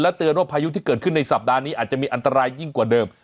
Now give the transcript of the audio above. เตือนว่าพายุที่เกิดขึ้นในสัปดาห์นี้อาจจะมีอันตรายยิ่งกว่าเดิม